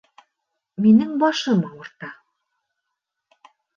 Минең башым ауырта